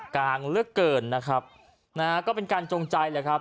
กลางเหลือเกินนะครับนะฮะก็เป็นการจงใจแหละครับ